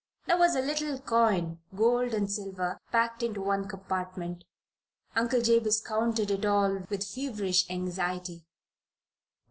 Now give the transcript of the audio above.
There was a little coin gold and silver packed into one compartment. Uncle Jabez counted it all with feverish anxiety.